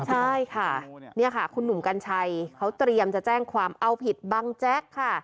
ใช่ค่ะนี่ค่ะคุณหนุ่มกัญชัยเขาเตรียมจะแจ้งความเอาผิดบังแจ๊กค่ะ